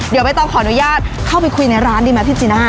เดี๋ยวใบตองขออนุญาตเข้าไปคุยในร้านดีไหมพี่จีน่า